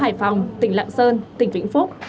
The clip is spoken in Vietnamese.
hải phòng tỉnh lạng sơn tỉnh vĩnh phúc